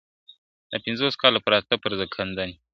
دا پنځوس کاله پراته پر زکندن یو ..